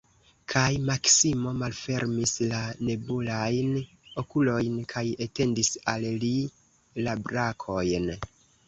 Kaj Maksimo malfermis la nebulajn okulojn kaj etendis al li la brakojn.